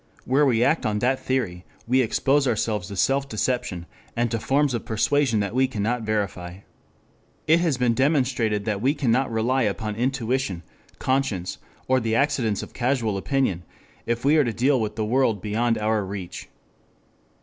Where we act on that theory we expose ourselves to self deception, and to forms of persuasion that we cannot verify. It has been demonstrated that we cannot rely upon intuition, conscience, or the accidents of casual opinion if we are to deal with the world beyond our reach.